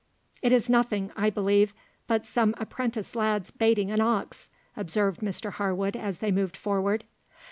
"It is nothing, I believe, but some apprentice lads baiting an ox," observed Mr Harwood as they moved forward.